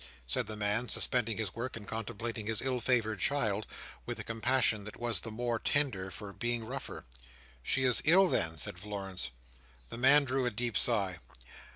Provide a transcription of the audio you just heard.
said the man, suspending his work, and contemplating his ill favoured child, with a compassion that was the more tender for being rougher. "She is ill, then!" said Florence. The man drew a deep sigh.